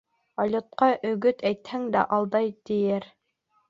Алйотҡа өгөт әйтһәң, «алдай» тиер